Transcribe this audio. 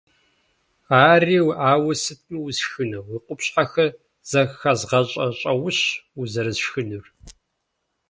Ари ауэ сытми усшхыну, уи къупщхьэхэр зэхэзгъэщӀыщӀэущ узэрысшхынур.